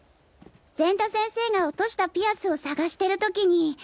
善田先生が落としたピアスを探してる時に。